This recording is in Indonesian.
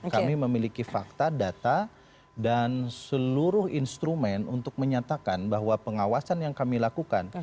kami memiliki fakta data dan seluruh instrumen untuk menyatakan bahwa pengawasan yang kami lakukan